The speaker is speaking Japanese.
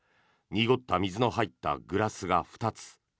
濁った水の入ったグラスが２つ。